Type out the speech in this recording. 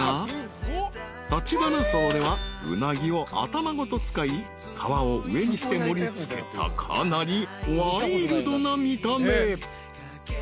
［立花荘ではウナギを頭ごと使い皮を上にして盛り付けたかなりワイルドな見た目］